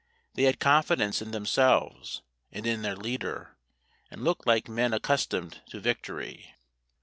They had confidence in themselves and in their leader, and looked like men accustomed to victory.